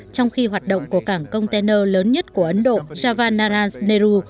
trong khi hoạt động của cảng container lớn nhất của ấn độ javanarans nehru